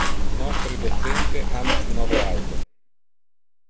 Nostre docente ama su nove auto.